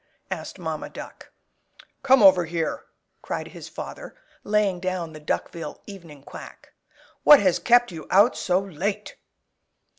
asked Mamma Duck. "Come over here!" cried his father, laying down the Duckville "Evening Quack." "What has kept you out so late?"